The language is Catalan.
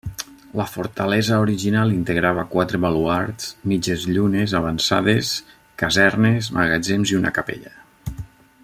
La fortalesa original integrava quatre baluards, mitges llunes avançades, casernes, magatzems i una capella.